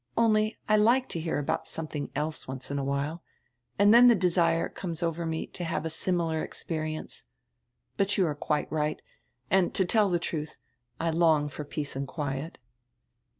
Only I like to hear about somediing else once in a while, and then the desire conies over me to have a similar experi ence. But you are quite right, and, to tell die truth, I long for peace and quiet."